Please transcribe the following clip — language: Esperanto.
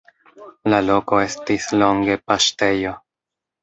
La loko estis longe paŝtejo.